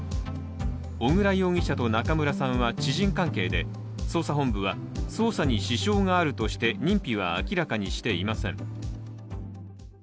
小倉容疑者と中村さんは知人関係で捜査本部は、捜査に支障があるとして認否は明らかにしていません。